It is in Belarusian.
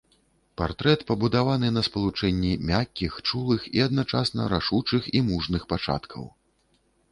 Партрэт пабудаваны на спалучэнні мяккіх, чулых і адначасна рашучых і мужных пачаткаў.